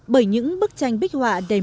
bởi những bức tranh bích họa đầy mạnh